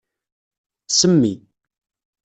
Semmi.